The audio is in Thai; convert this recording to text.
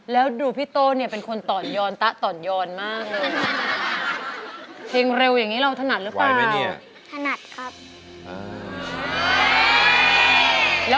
แล้วดูพี่โต้เนี่ยเป็นคนต่อนยอนตะต่อนยอนมากเลย